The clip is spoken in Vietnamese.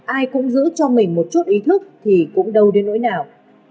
ai cũng giữ cho mình một chút ý thức thì cũng đâu đến nỗi nào